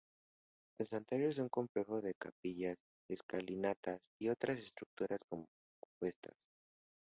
El santuario es un complejo de capillas, escalinatas y otras estructuras compuestas.